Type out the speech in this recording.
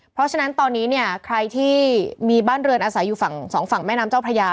เพราะฉะนั้นตอนนี้เนี่ยใครที่มีบ้านเรือนอาศัยอยู่ฝั่งสองฝั่งแม่น้ำเจ้าพระยา